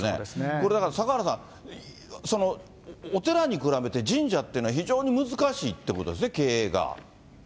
これ、坂原さん、お寺に比べて神社っていうのは非常に難しいってことですね、経営が。